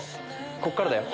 こっからだよ。